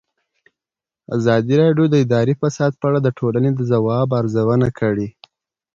ازادي راډیو د اداري فساد په اړه د ټولنې د ځواب ارزونه کړې.